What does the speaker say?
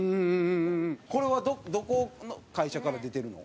これはどこの会社から出てるの？